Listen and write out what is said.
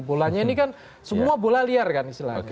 bolanya ini kan semua bola liar kan istilahnya